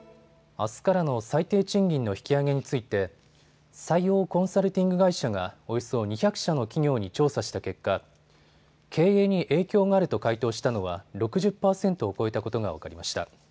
あすからの最低賃金の引き上げについて採用コンサルティング会社がおよそ２００社の企業に調査した結果、経営に影響があると回答したのは６０％を超えたことが分かりました。